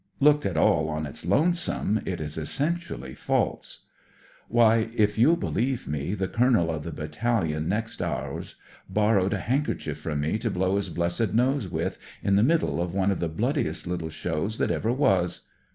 Looked at all on its lonesome, it is essentially false. " Why, if you'U believe me, the Colonel of the battalion next ours borrowed a handkerchief from me to blow his blessed nose with, in the middle of one of the bloodiest little shows that ever was.